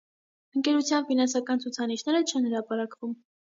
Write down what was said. Ընկերության ֆինանսական ցուցանիշները չեն հրապարակվում։